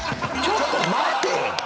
ちょっと待てぃ！